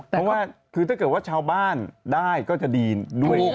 เพราะว่าคือถ้าเกิดว่าชาวบ้านได้ก็จะดีด้วย